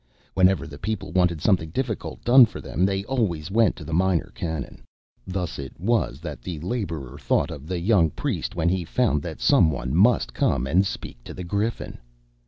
Whenever the people wanted something difficult done for them, they always went to the Minor Canon. Thus it was that the laborer thought of the young priest when he found that some one must come and speak to the Griffin.